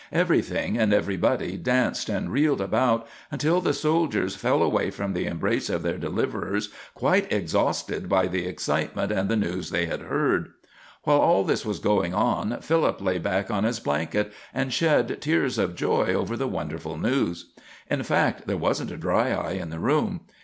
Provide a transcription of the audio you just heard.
Everything and everybody danced and reeled about, until the soldiers fell away from the embrace of their deliverers, quite exhausted by the excitement and the news they had heard. While all this was going on, Philip lay back on his blanket and shed tears of joy over the wonderful news. In fact, there wasn't a dry eye in the room.